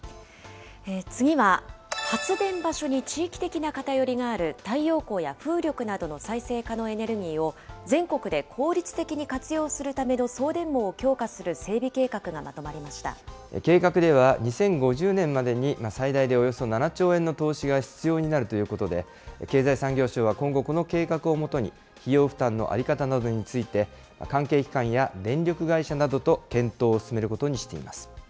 次は、発電場所に地域的な偏りがある太陽光や風力などの再生可能エネルギーを、全国で効率的に活用するための送電網を強化する整備計画計画では、２０５０年までに最大でおよそ７兆円の投資が必要になるということで、経済産業省は今後、この計画をもとに、費用負担の在り方などについて、関係機関や電力会社などと検討を進めることにしています。